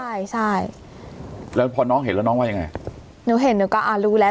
ใช่ใช่แล้วพอน้องเห็นแล้วน้องว่ายังไงหนูเห็นหนูก็อ่ารู้แล้ว